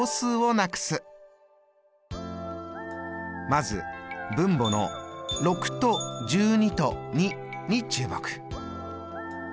まず分母の６と１２と２に注目。